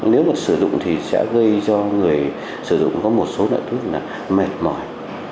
nếu mà sử dụng thì sẽ gây cho người sử dụng có một số loại thuốc là mệt mỏi